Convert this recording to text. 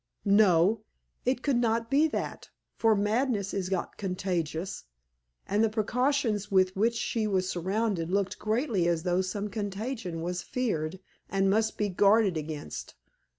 No; it could not be that; for madness is not contagious, and the precautions with which she was surrounded looked greatly as though some contagion was feared and must be guarded against.